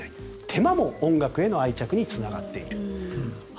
手間も音楽への愛着につながっている。